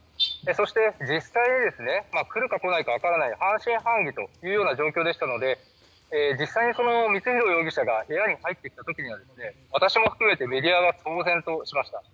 そして、実際に来るか来ないか分からない半信半疑というような状況でしたので実際に光弘容疑者が部屋に入ってきた時には私も含めてメディアが騒然としました。